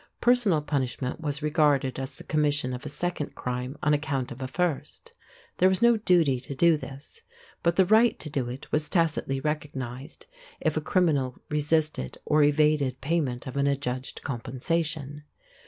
Personal punishment was regarded as the commission of a second crime on account of a first. There was no duty to do this; but the right to do it was tacitly recognized if a criminal resisted or evaded payment of an adjudged compensation.